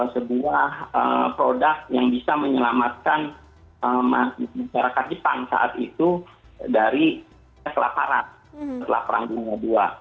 sebuah produk yang bisa menyelamatkan masyarakat jepang saat itu dari kelaparan setelah perang dunia ii